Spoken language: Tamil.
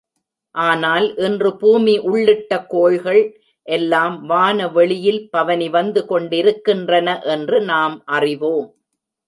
ஆனால், இன்று பூமி உள்ளிட்ட கோள்கள் எல்லாமே வானவெளியில் பவனி வந்து கொண்டிருக்கின்றன என்று நாம் ஆறிவோம்.